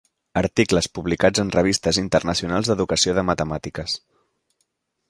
Articles publicats en revistes internacionals d'educació de matemàtiques.